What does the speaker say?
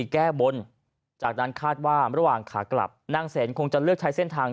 แก้บนจากนั้นคาดว่าระหว่างขากลับนางเสนคงจะเลือกใช้เส้นทาง